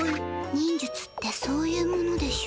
ニンジュツってそういうものでしょ。